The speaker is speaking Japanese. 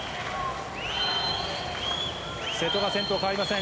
瀬戸が先頭変わりません。